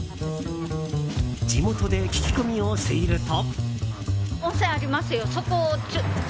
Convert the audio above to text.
地元で聞き込みをしていると。